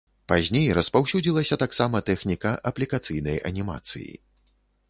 Пазней распаўсюдзілася таксама тэхніка аплікацыйнай анімацыі.